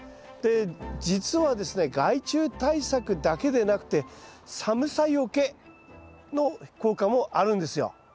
で実はですね害虫対策だけでなくて寒さよけの効果もあるんですよ。